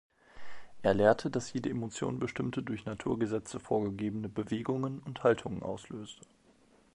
Er lehrte, dass jede Emotion bestimmte durch Naturgesetze vorgegebene Bewegungen und Haltungen auslöse.